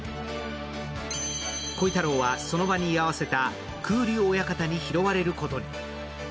鯉太郎はその場に居合わせた空流親方に拾われることに。